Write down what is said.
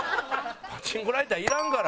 パチンコライターいらんから。